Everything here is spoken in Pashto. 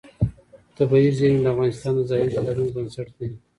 طبیعي زیرمې د افغانستان د ځایي اقتصادونو بنسټ دی.